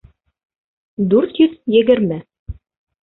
Дүрт йөҙ егерме.